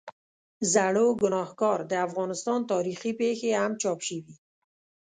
زړوګناهکار، د افغانستان تاریخي پېښې هم چاپ شوي.